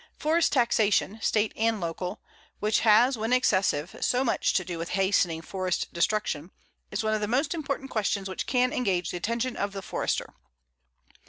Forest taxation, State and local, which has, when excessive, so much to do with hastening forest destruction, is one of the most important questions which can engage the attention of the Forester.